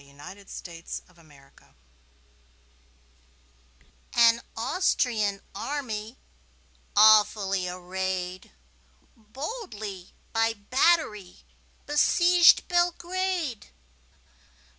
Y Z The Siege of Belgrade AN Austrian army, awfully arrayed, Boldly by battery besieged Belgrade.